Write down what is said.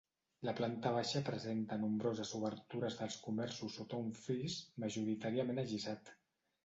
La planta baixa presenta nombroses obertures dels comerços sota un fris, majoritàriament allisat.